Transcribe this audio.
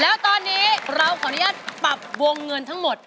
แล้วตอนนี้เราขออนุญาตปรับวงเงินทั้งหมด